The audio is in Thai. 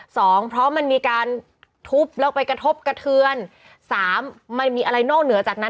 สองเพราะมันมีการทุบแล้วไปกระทบกระเทือนสามมันมีอะไรนอกเหนือจากนั้น